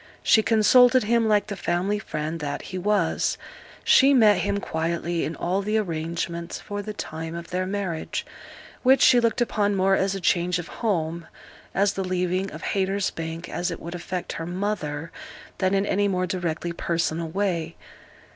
She consulted him like the family friend that he was: she met him quietly in all the arrangements for the time of their marriage, which she looked upon more as a change of home, as the leaving of Haytersbank, as it would affect her mother, than in any more directly personal way.